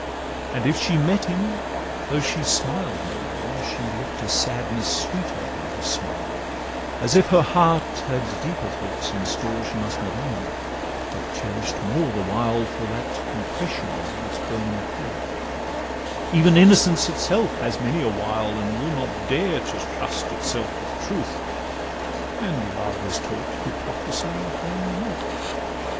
And if she met him, though she smiled no more, She look'd a sadness sweeter than her smile, As if her heart had deeper thoughts in store She must not own, but cherish'd more the while For that compression in its burning core; Even innocence itself has many a wile, And will not dare to trust itself with truth, And love is taught hypocrisy from youth.